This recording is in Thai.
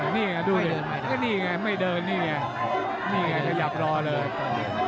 นี่ไงดูดิไม่เดินนี่ไงนี่ไงขยับรอเลย